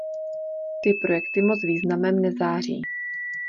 Ty projekty moc významem nezáří.